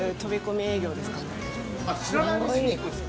知らない店に行くんですか？